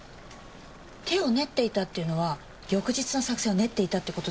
手を練っていたっていうのは翌日の作戦を練っていたって事ですよね？